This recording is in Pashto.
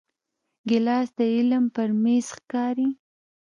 ګیلاس د علم پر میز ښکاري.